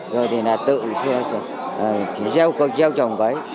rồi thì là tự gieo trồng cấy